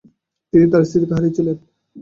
তিনি তাঁর স্ত্রীকে হারিয়েছিলেন।